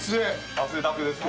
汗だくですね。